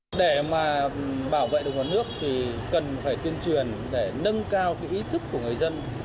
nếu không bảo vệ đúng là nước thì cần phải tuyên truyền để nâng cao cái ý thức của người dân